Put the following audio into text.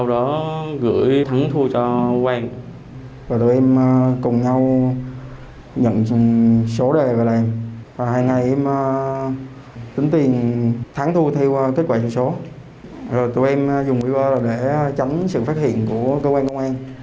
rồi tụi em dùng điện thoại để tránh sự phát hiện của cơ quan công an